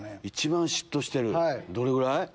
一番嫉妬してるどれぐらい？